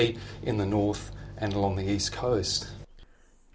di seluruh negara ini curah hujan tertinggi terjadi di queensland new south wales dan victoria